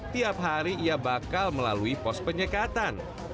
tiap hari ia bakal melalui pos penyekatan